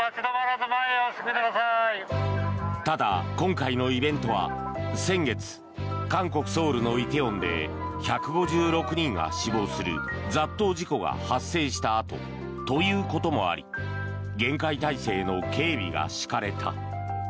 ただ、今回のイベントは先月、韓国ソウルの梨泰院で１５６人が死亡する雑踏事故が発生したあとということもあり厳戒態勢の警備が敷かれた。